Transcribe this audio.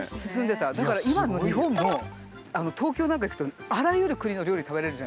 だから今の日本も東京なんか行くとあらゆる国の料理食べれるじゃないですか。